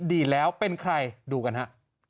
ดีแล้วเป็นใครดูกันฮะ